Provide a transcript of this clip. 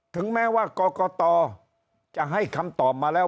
ถึงแม้ว่ากรกตจะให้คำตอบมาแล้ว